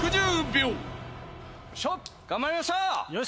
・頑張りましょう！